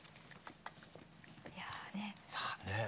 いやねえ。